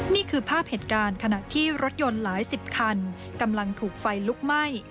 นี่คือภาพเหตุการณ์ขณะที่รถยนต์หลายสิบคันกำลังถูกไฟลุกไหม้